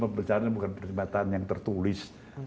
berjalan jalan bukan perjalanan yang tertulis